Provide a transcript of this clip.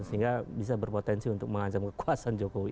sehingga bisa berpotensi untuk mengancam kekuasaan jokowi